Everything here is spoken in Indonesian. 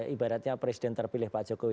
ibaratnya presiden terpilih pak jokowi